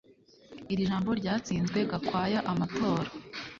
Iri jambo ryatsinzwe Gakwaya amatora